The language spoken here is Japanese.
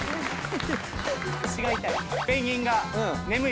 腰が痛い。